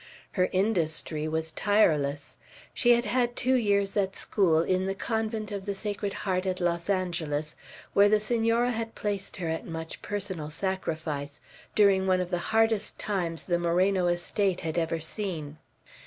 Her industry was tireless. She had had two years at school, in the Convent of the Sacred Heart at Los Angeles, where the Senora had placed her at much personal sacrifice, during one of the hardest times the Moreno estate had ever seen.